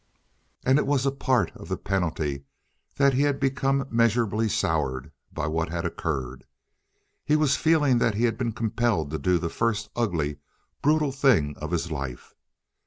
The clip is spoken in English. And it was a part of the penalty that he had become measurably soured by what had occurred. He was feeling that he had been compelled to do the first ugly, brutal thing of his life.